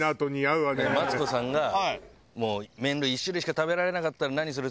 マツコさんが麺類１種類しか食べられなかったら何にする？